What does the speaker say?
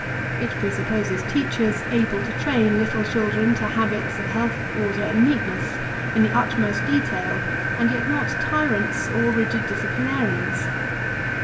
It presupposes teachers able to train Uttle children to habits of health, order, and neatness, in the utmost detail, and yet not tyrants or rigid disciplinarians.